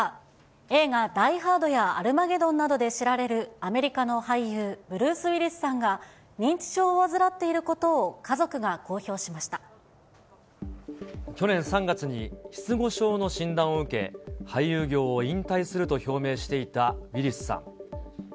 映画、ダイ・ハードやアルマゲドンなどで知られるアメリカの俳優、ブルース・ウィリスさんが認知症を患っていることを家族が公表し去年３月に失語症の診断を受け、俳優業を引退すると表明していたウィリスさん。